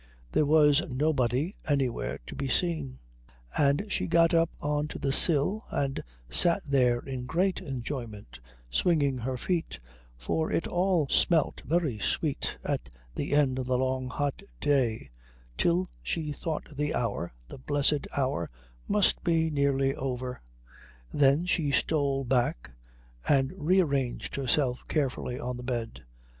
There was nobody anywhere to be seen, and she got up on to the sill and sat there in great enjoyment, swinging her feet, for it all smelt very sweet at the end of the long hot day, till she thought the hour, the blessed hour, must be nearly over. Then she stole back and rearranged herself carefully on the bed.